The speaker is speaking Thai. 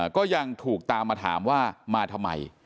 ก็ยังถูกตามมาถามว่ามาทำไม